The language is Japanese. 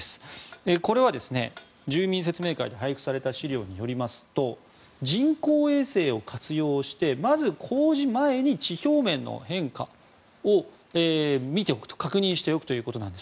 これは住民説明会で配布された資料によりますと人工衛星を活用してまず、工事前に地表面の変化を見ておくと確認しておくと。